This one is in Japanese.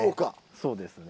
そうですね。